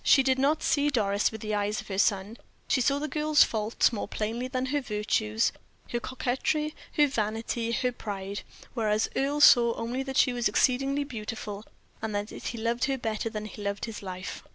She did not see Doris with the eyes of her son; she saw the girl's faults more plainly than her virtues her coquetry, her vanity, her pride; whereas Earle saw only that she was exceedingly beautiful, and that he loved her better than he loved his life.